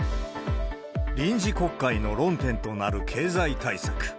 臨時国会の論点となる経済対策。